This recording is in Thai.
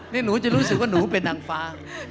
นี่หนูจะรู้สึกว่าหนูเป็นนางฟ้า